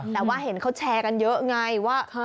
แต่ว่าเห็นเขาแชร์กันเยอะไงว่า